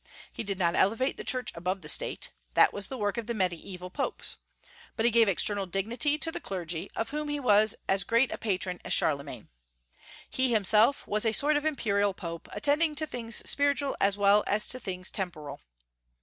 He did not elevate the Church above the State; that was the work of the Mediaeval Popes. But he gave external dignity to the clergy, of whom he was as great a patron as Charlemagne. He himself was a sort of imperial Pope, attending to things spiritual as well as to things temporal.